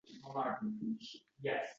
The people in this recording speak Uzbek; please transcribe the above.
Uning tabiatidan kelib chiqqan holda